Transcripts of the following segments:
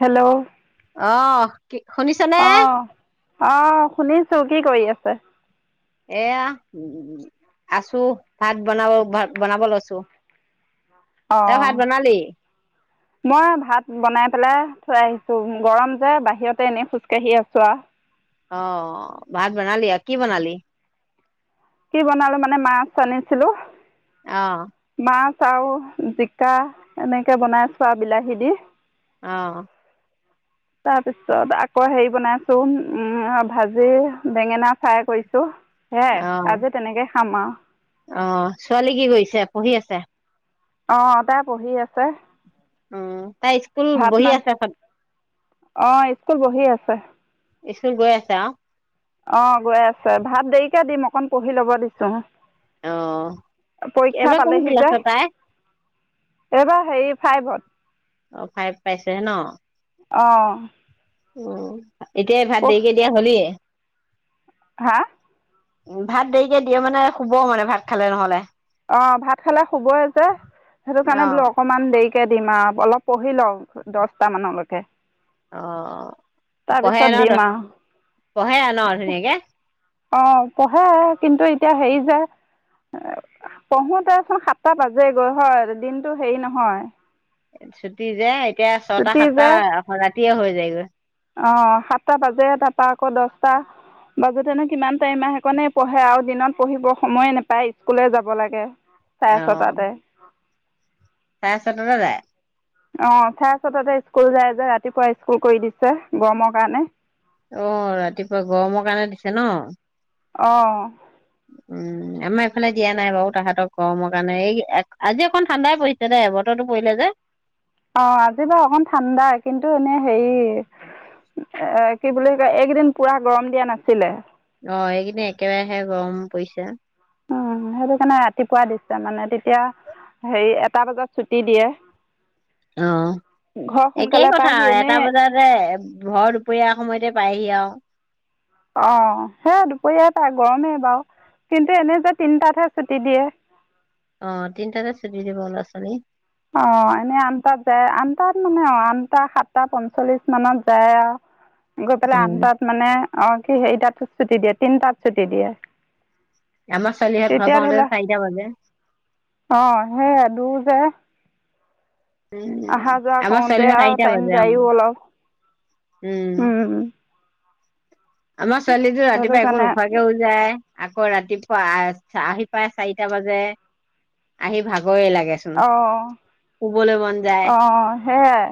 Hello অহ কি শুনিছনে অ অ শুনিছো। চ কি কৰি আছে? এয়া আছো ভাত বনাব ভাত বনাব লৈছো। অ তই ভাত বনালি মই ভাত বনাই পেলাই থৈ আহিছো গৰম যে বাহিৰতে এনেই খোজ কাঢ়ি আছো আও। অ ভাত বনালি আ কি বনালি? কি বনালো মানে মাছ আনিছিলো। অঁ। মাছ আৰু জিকা, এনেকে বনাই চো আৰু বিলাহী দি। আহ তাৰপিছত আকৌ হেৰি বনাইছো উম ভাজি বেঙেনা ফ্ৰাই কৰিছো সেয়াই অ আজি তেনেকে খাম আও অ ছোৱালী কি কৰিছে পঢ়ি আছে অহ তাই পঢ়ি আছে উম তাই স্কুল গৈয়ে শেষ হল অ স্কুল বহি আছে স্কুল গৈ আছে আৰু অ গৈ আছে ভাত দেৰিকে দিম অকণ পঢ়ি ল'ব দিছো অ পৰীক্ষা এইবাৰ কোন পালেহি যে ক্লাছত তাই এইবাৰ হেৰি ফাইভত অ ফাইভ পাইছেহে ন অ উম এতিয়াই ভাত দেৰিকে দিয়া সলিয়ে হা ভাত দেৰিকে দিয়ে মানে শুব মানে ভাত খালে নহলে অ ভাত খালে শুবই যে সেইটো অ কাৰণে বোলো অকমান দেৰি কে দিম আৰু অলপ পঢ়ি লওক দছটা মানলৈকে অ পঢ়ে ন দিম দছ আৰু পঢ়ে আও ন ধুনীয়াকে অ পঢ়ে কিন্তু এতিয়া হেৰি যে পঢ়োতেচোন সাতটা বাজে গৈ হয় দিনটো হেৰি নহয় ছুটি যে এতিয়া ছটা ছুটি সাতটা যে ৰাতিয়ে হৈ যায়গৈ বা', বাজুতে নেকি? সিমান টাইম মাহকনে পঢ়ে আৰু দিনত পঢ়িব, সময়ে নোপায় স্কুলে যাব লাগে। চাৰে অ ছয় তাতে, চাৰে ছ টাতে যায় অ চাৰে ছয় তাতে স্কুল যায় যে ৰাতিপুৱা স্কুল কৰি দিছে গৰমৰ কাৰণে। অ ', ৰাতিপুৱা গৰমৰ কাৰণে দিছে ন। আহ উম ', আমাৰ এইফালে দিয়া নাই বাৰু তাহাঁতক গৰমৰ কাৰণে এই আজি অকণ ঠাণ্ডাই পৰিছে দে এ বতৰৰতো পৰিলে যে। অ ', আজি বাৰু অকমান ঠাণ্ডা কিন্তু এনে হেৰি এ কি বুলি কয় এইকেইদিন পুৰা গৰম দিয়া নাছিলে। অ', এইকিননে একেবাৰহে গৰম পৰিছে। উম', সেইটো কাৰণে ৰাতিপুৱা দিছে মানে তেতিয়া হেৰি এটা বজাত ছুটি দিয়ে। অ', ঘৰ একেই সোনকালে কথা পায়হি এটা এনেই বজাতে ঘৰত দুপৰাৰ সময়তে পায়হি আৰু অ', সেয়া দুপৰীয়াাই পায় গৰমেই বাৰু কিন্তু এনে যে তিনটাতহে ছুটি দিয়ে। অ ', তিনিটাতে চুটি দিব লৰা ছোৱালী অ', এনে আন তাত যায় আনটাত মানে অ', আনটা সাতটা পঞ্চল্লিশ মানত যায় আৰু গৈ পেলাই আঠ উম তাত মানে অ', কি সাত ছুটি দিয়ে তিনটাত ছুটি দিয়ে। আমাৰ ছোৱালীহঁত ঘৰ তেতিয়া পাওঁতে ধৰিলেও চাৰিটা বাজে অ', সেই দু হ', উম অহা যোৱা আমাৰ কৰওঁতে ছোৱালীহঁত আৰু চাৰিটা টাইম বাজে যায়ো অলপ উম', আমাৰ ছোৱালীটো সেইটো ৰাতিপুৱাই একো কাৰণে নোখোৱাকেও যায়। আকৌ ৰাতিপুৱা আহ ', আহি পাই চাৰিটা বজে আহি ভাগ আহ', মন যায় - আহ', সেইয়াই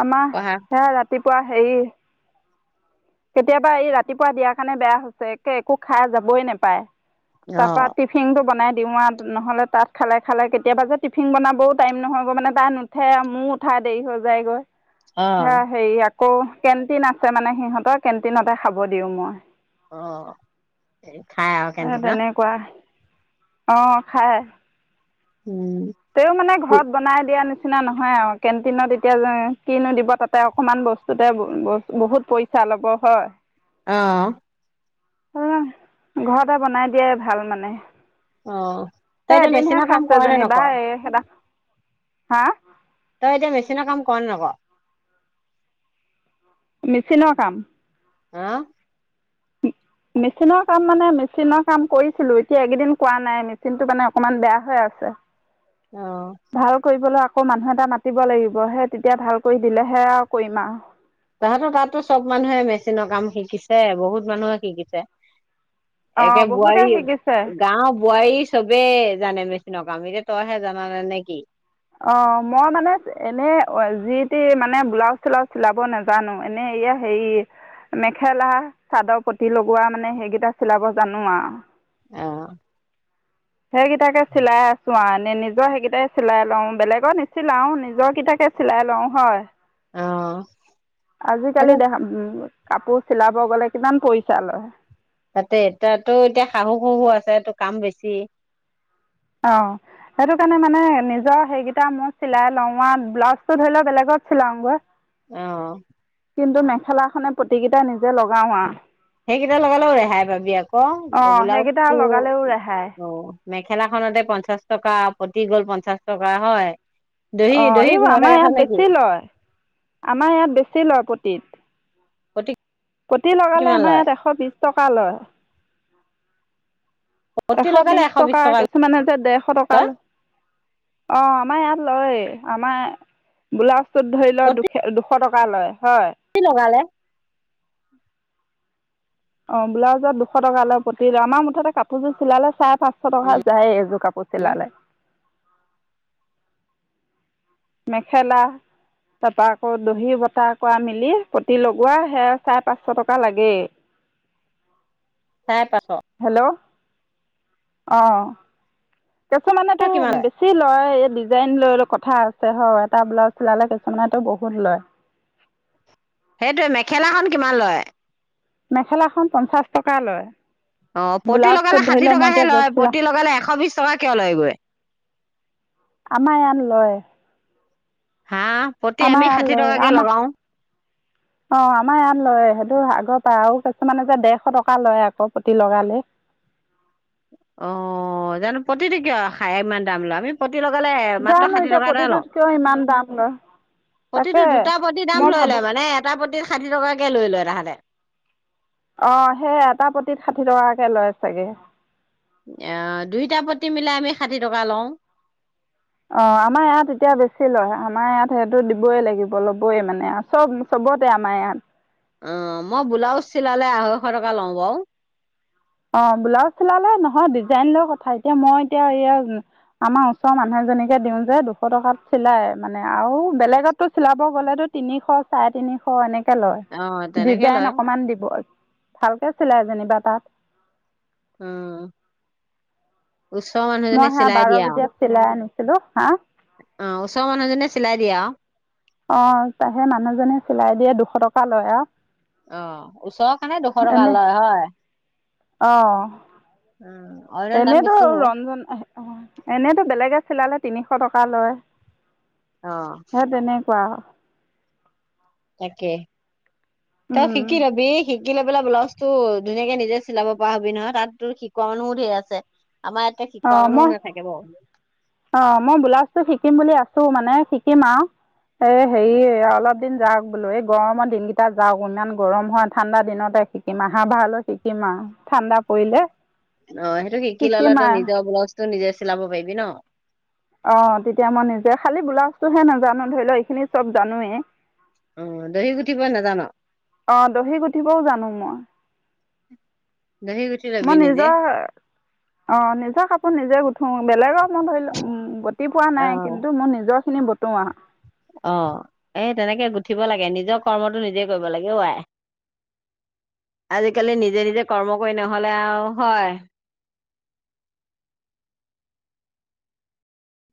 আমাৰ পঢ়া সে ৰাতি ৰাতিপুৱা সে কেতিয়াবা এই ৰাতিপুৱা দিয়াৰ কাৰণে বেয়া হৈছে একে একো খাই যাবই নোপায়। অ তাৰ পৰা টিফিন টো বনাই দিওঁ আৰু নহ'লে তাত খালে খালে কেতিয়াবা যে টিফিন বনাবও টাইম নহয়গৈ মানে তাই নুঠে আৰু মোৰো উঠাই দেৰি হৈ যায়গৈ অ হা সেই এক আকৌ কেণ্টিন আছে মানে সিহঁতক কেণ্টিনতে খাব দিওঁ মই অ' এই খাই আৰু কেণ্টিনত আহ খাই উম তেওঁ মানে ঘৰত বনাই দিয়া নিচিনা নিচিনা নহয় আৰু কেণ্টিনত এতিয়া যে কিনো দিব তাতে অকমান বস্তুতে বহুত পইচা ল'ব হয় আহ উ ঘৰতে বনাই দিয়ে ভাল মানে। অ' তই সেই এতিয়া এদিনহে মেচিনৰ কাম খাইছে কৰা নাই নক যেনিবা এই সেদা হা তই এতিয়া মেচিনৰ কাম কৰ নক মেচিনৰ কাম। হা! মেচিনৰ কাম মানে, মেচিনৰ কাম কৰিছিলো। এতিয়া, এইকেইদিন কৰা নাই মেচিনটো মানে, অকমান বেয়া হৈ আছে। অ ভাল কৰিবলৈ আকৌ, মানুহ এটা মাতিব লাগিব। হে তেতিয়া ভাল কৰি দিলেহে আৰু কৰিম আৰু! তাহঁতৰ তাতো চব মানুহে মেচিনৰ কাম শিকিছে, বহুত মানুহে শিকিছে। অঁ একে বহুতে বোৱাৰী শিকিছে গাঁও বোৱাৰী চবে, জানে মেচিন' কাম। এতিয়া তইহে জাননে নে কি? অ! মই মানে, এনে যি টি মানে ব্লাউজ চিলাউজ চিলাব নাজানো। এনে এয়া, হেৰি মেখেলা চাদৰ পতি লগোৱা মানে, সেইকেইটা চিলাব জানো। আৰু অ সেইকেইটাকে চিলাই আছো আৰু! নিজৰ সেইকেইটাই চিলাই লওঁ, বেলেগৰ নিচিলাও নিজৰ কেইটাকে চিলাই লওঁ হয়। অ আৰু আজিকালি দেখা উম! কাপোৰ চিলাব গ'লে কিমান পইচা লয়। তাতে, তায়ো এতিয়া শাহু শহু আছেটো কাম বেছি। অ' সেইটো কাৰণে মানে নিজৰ সেইকেইটা মই চিলাই লওঁ, আৰু ব্লাউজটো ধৰি লওঁ বেলেগত চিলাওঁগৈ। অঁ! কিন্তু মেখেলাখনে পতিকেইটায়ে নিজেই লগাওঁ আৰু। সেইকেইটা লগালেও ৰেহাই পাবি, ‌আক, অঁ সেইকেইটা ব্লাউজটো লগালেও ৰেহাই অ' মেখেলাখনতে পঞ্চাশ টকা, পতি হ'ল পঞ্চাশ টকা, হয়। দহি অ দহি এইবোৰ ঘৰতে আমাৰ গাথ ইয়াত নেকি বেছি লয়, আমাৰ ইয়াত বেছি লয়, পতিত। পতি পতি লগালে কিমান আমাৰ লয় ইয়াত এশ বিশ টকা। টকা লয়। এশ বিশ টকা কিছুমানতে, দেৰশ টকা, লয় অ'। আমাৰ ইয়াত লয়, আমাৰ ব্লাউজ টোত ধৰি ল দুশ টকা লয়। হয় কি লগালে? অ ব্লাউজত দুশ টকা লয়, পতি লয়, আমাৰ মুঠতে কাপোৰযোৰ চিলালে চাৰে পাঁচশ টকা উম যায়ে এযোৰ কাপোৰ চিলালে। মেখেলা তাৰপৰা আক, দহি বতাহ কৰা মেলি প্ৰতি লগোৱা সে চাৰে পাঁচশ টকা লাগেই। চাৰে পাঁচশ। অঁ। কিছুমানে তো কিমান লয় বেছি লয় ডিজাইন লয়, লয় কথা আছে হয়, এটা ব্লাউজ চিলালে কিছুমানেটো বহুত লয়। সেইটোৱে মেখেলাখন কিমান লয়? মেখেলাখন পঞ্চাশ টকা লয়। অ পতি লগালে ব্লাউজটোত ধৰি ষাঠি লওক মই টকাহে এতিয়া য'ত লয়, চিলাওঁ পতি লগালে এশ বিশ টকা কিয় লয়গৈ? আমাৰ ইয়াত লয়। হা? পতি আমি ষাঠি টকাকে লগাও। অ আমাৰ ইয়াত লয় সেইটো আগৰ পৰা আৰু কিছুমানে যে দেৰশ টকা লয় আকৌ প্ৰতি লগালে। অ জানো প্ৰতিটো কিয় খাই ইমান দাম লওঁ আমি। পতি লগালে মাএ জানো ষাঠি এতিয়া টকা লওঁ পতিটোত কিয় ইমান দাম লয় তাকে প্ৰতিতো দুটা পতি মই দাম লৈ ভাবোঁ ল'লে নে এটা পতি ষাঠি টকা কে। তাকে লৈ লয় তাহাঁতে। অ সেই এটা প্ৰতিত ষাঠি টকাকে লয় চাগে। দুইটা প্ৰতি্ মিলাই আমি ষাঠি টকা লওঁ। অ আমাৰ ইয়াত এতিয়া বেছি লয় আমাৰ ইয়াত সেইটো দিবই লাগিব ল'বই মানে আৰু চব চবতে আমাৰ ইয়াত? অ মই ব্লাউজ চিলালে আঢ়ৈশ টকা লওঁ বাৰু। অ ব্লাউজ চিলালে নহয় ডিজাইন লৈ কথা এতিয়া মই এতিয়া এইয়া আমাৰ ওচৰৰ মানুহ এজনীকে দিওঁ যে দুশ টকাত চিলাই মানে আৰু বেলেগতটো চিলাব গলেতো তিনিশ চাৰে তিনিশ এনে। লয় অ তেনেকে ডিজাইন লয় অকমান দিব। ভালকে চিলাই যেনিবা তাত। উম ওচৰৰ মানুহজনে মই সা চিলাই বাৰ দিয়ে আৰু বজাত চিলাই আনিম। হেল্ল' হা? অ ওচৰৰ মনোহ এজনী চিলাই দিয়ে আও। অ তাহে মানুহজনী চিলাই দিয়ে দুশ টকা লয় আৰু। অহ এনে অহ অ অইনৰ দাম এনেতো বেছি হ'ব ৰঞ্জন আহ এনেতো বেলেগ আছে চিলালে তিনিশ টকা লয়। অ সেই তেনেকুৱা। তাকে। তই শিকি লবি শিক শিকি লৈ পেলায় ব্লাউজটো ধুনীয়াকে নিজে চিলাব পৰা হবি নহয়, তাত তোৰ শিকোৱা মানুহো ধেৰ আছে। আমাৰ ইয়াতে শিকোৱা অ', মানুহো মই নাথাকে বাৰু অ', মই বোলাউজটো শিকো শিকিম বুলি আছো, মানে শিকিম আৰু। এ', হেৰি অলপ দিন যাওক। বোলো এই গৰমৰ দিনকেইটা যাও ইমান গৰম হয়, ঠাণ্ডা দিনতে শিকিম আহা ভাল হয় শিকিম আৰু। ঠাণ্ডা পৰিলে অ ', সেইটো শিকি ললে শিকিম তই আৰু নিজৰ ব্লু তোৰ নিজে চিলাব পাৰিবি ন? অ ', তেতিয়া মই নিজে খালি বোলাউজটোহে নাজানো ধৰি লঃ এইখিনি চব জানোৱেই। অ ', দহি গুঠিব নাজান? অহ', দহি - গুঠিব উঠিবও জানো মই। দহি গুঠি মই লবি নিজে নিজৰ অ', নিজৰ কাপোৰ নিজে গুঠো বেলেগক মই ধৰি ল', গতি পোৱা অ নাই কিন্তু মোৰ নিজৰখিনি তোৱাহ অহ ', এ', তেনেকে গুঠিব লাগে নিজৰ কৰ্মটো নিজে কৰিব লাগে ঔ আই। আজিকালি নিজে -নিজে কৰ্ম কৰি নহলে আৰু হয়।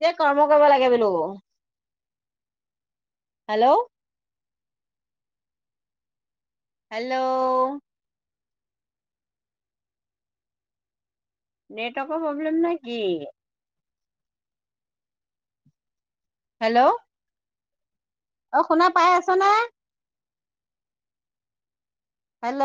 এ', কৰ্ম কৰিব লাগে বোলো। হেল্ল? হেল্ল? নেটৱৰ্কৰ প্ৰব্লেম নে কি? হেল্ল? অ', শুনা পাই আছ নে? হেল্ল?